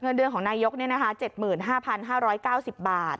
เงินเดือนของนายกรัฐมนตรีประยุทธ์๗๕๕๙๐บาท